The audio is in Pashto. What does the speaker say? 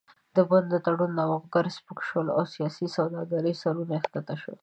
د بن د تړون نوښتګر سپک شول او د سیاسي سوداګرو سرونه ښکته شول.